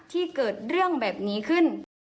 ที่เกิดเรื่องแบบนี้ขึ้น